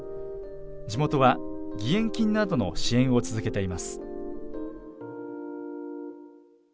地元は義援金などの支援を続けています。